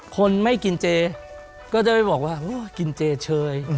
คนไม่กินเจก็จะไปบอกว่ากินเจเฉย